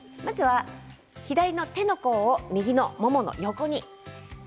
左の手の甲を右のももの横に。